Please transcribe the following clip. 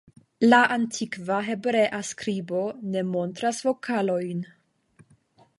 La antikva hebrea skribo ne montras vokalojn.